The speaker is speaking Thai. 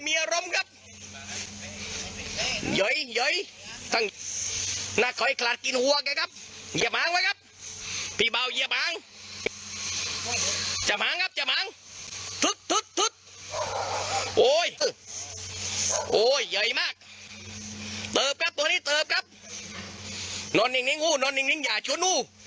เรียนเรียนเรียนเรียนเรียนเรียนเรียนเรียนเรียนเรียนเรียนเรียน